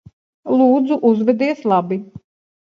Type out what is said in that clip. Lūdzu, uzvedies labi.